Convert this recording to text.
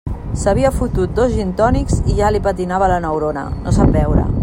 S'havia fotut dos gintònics i ja li patinava la neurona; no sap beure.